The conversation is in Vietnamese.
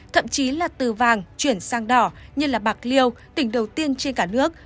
thậm chí là từ vàng chuyển sang đỏ như bạc liêu tỉnh đầu tiên trên cả nước